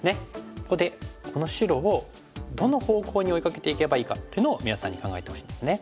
ここでこの白をどの方向に追いかけていけばいいかっていうのを皆さんに考えてほしいんですね。